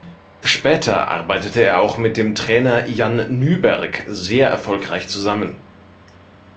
Später arbeitete er auch mit dem Trainer Jan Nyberg sehr erfolgreich zusammen.